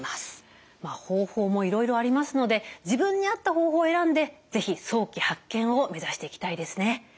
方法もいろいろありますので自分に合った方法を選んで是非早期発見を目指していきたいですね。